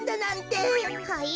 はい？